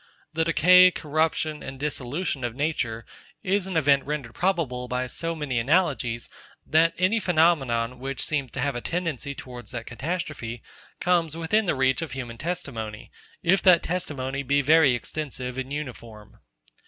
The decay, corruption, and dissolution of nature, is an event rendered probable by so many analogies, that any phenomenon, which seems to have a tendency towards that catastrophe, comes within the reach of human testimony, if that testimony be very extensive and uniform.